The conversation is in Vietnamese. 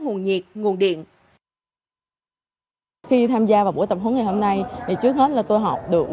nguồn nhiệt nguồn điện khi tham gia vào buổi tập huấn ngày hôm nay thì trước hết là tôi học được